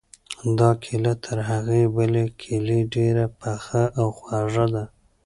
دا کیله تر هغې بلې کیلې ډېره پخه او خوږه ده.